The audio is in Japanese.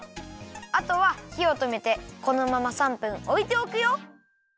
あとはひをとめてこのまま３分おいておくよ。